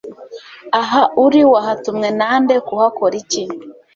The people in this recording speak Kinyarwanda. Aha uri wahatumwe na nde kuhakora iki